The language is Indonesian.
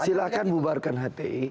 silahkan bubarkan hti